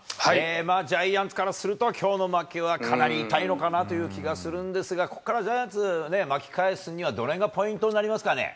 ジャイアンツからすると今日の負けはかなり痛いのかなという気がするんですがここからジャイアンツ巻き返すにはどの辺がポイントになりますかね。